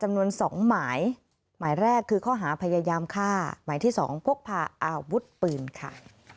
จำนวน๒หมายหมายแรกคือข้อหาพยายามฆ่าหมายที่๒พกพาอาวุธปืนค่ะ